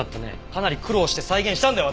かなり苦労して再現したんだよ